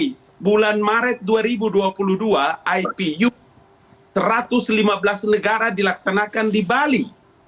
di bulan maret dua ribu dua puluh dua ipu satu ratus lima belas negara dilaksanakan di bali